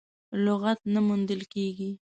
لغت نه موندل کېږي.